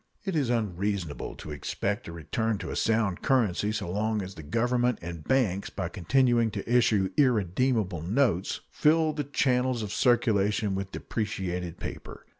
It is unreasonable to expect a return to a sound currency so long as the Government and banks, by continuing to issue irredeemable notes, fill the channels of circulation with depreciated paper.